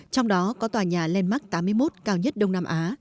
trong đó có tòa nhà landmark tám mươi một cao nhất đông nam á